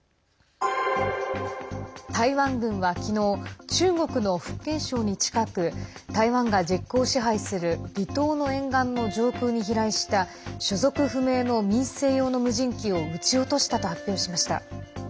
台湾軍は昨日中国の福建省に近く台湾が実効支配する離島の沿岸の上空に飛来した所属不明の民生用の無人機を撃ち落としたと発表しました。